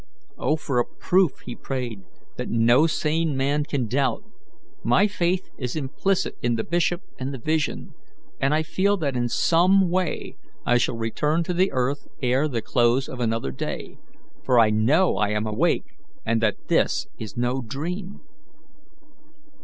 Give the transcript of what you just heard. "Oh, for a proof," he prayed, "that no sane man can doubt! My faith is implicit in the bishop and the vision, and I feel that in some way I shall return to earth ere the close of another day, for I know I am awake, and that this is no dream."